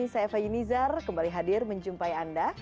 saya fahim nizar kembali hadir menjumpai anda